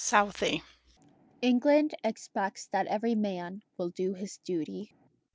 Southey England expects that every man will do his duty.